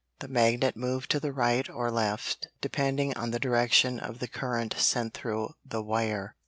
The magnet moved to the right or left, depending on the direction of the current sent through the wire.